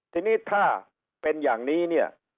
ทีนี้ถ้าเป็นอย่างนี้เนี่ย